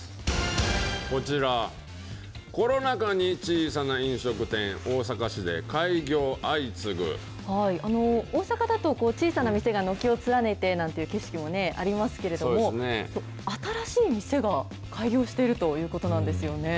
こちら、コロナ禍に小さな飲食店、大阪だと、小さな店が軒を連ねてなんていう景色もありますけれども、新しい店が開業しているということなんですよね。